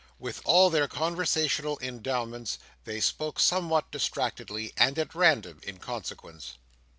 With all their conversational endowments, they spoke somewhat distractedly, and at random, in consequence.